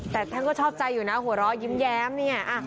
แต่ท่านก็ชอบใจอยู่นะหัวเราะยิ้มแย้มเนี่ย